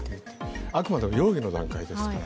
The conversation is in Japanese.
あくまでも容疑の段階ですから。